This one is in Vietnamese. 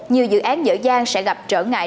nhiều dự án dở dang sẽ gặp trở ngại